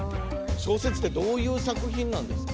小説ってどういう作品なんですか？